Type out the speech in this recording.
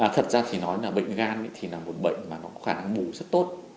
thật ra thì nói là bệnh gan thì là một bệnh mà nó có khả năng mù rất tốt